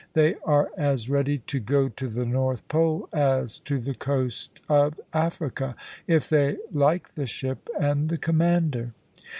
They are as ready to go to the North Pole as to the coast of Africa, if they like the ship and the commander.